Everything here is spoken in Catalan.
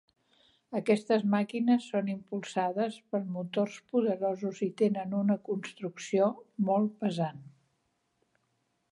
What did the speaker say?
Aquestes màquines són impulsades per motors poderosos i tenen una construcció molt pesant.